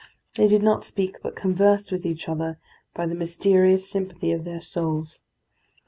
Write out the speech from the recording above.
They did not speak, but conversed with each other by the mysterious sympathy of their souls.